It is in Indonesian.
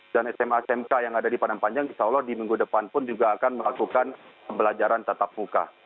dan sma smk yang ada di padang panjang insya allah di minggu depan pun juga akan melakukan pembelajaran tetap muka